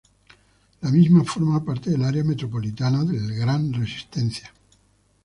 La misma forma parte del área metropolitana del Gran Resistencia.